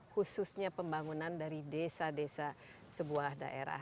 khususnya pembangunan dari desa desa sebuah daerah